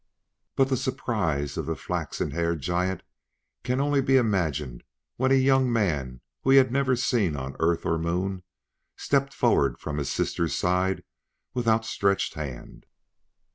But the surprise of that flaxen haired giant can be only imagined when a young man whom he had never seen on Earth or Moon stepped forward from his sister's side with outstretched hand.